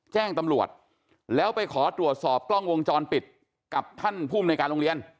แจ้งตำรวจแล้วไปขอตรวจสอบกล้องวงจรปิดกับท่านภูมิในการโรงเรียน